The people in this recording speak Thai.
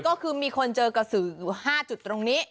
ก็คือมีคนเจอกระสืออยู่๕จุดตรงนี้